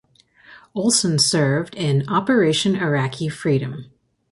Olson served in Operation Iraqi Freedom.